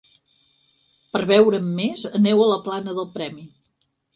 Per veure'n més, aneu a la plana del Premi.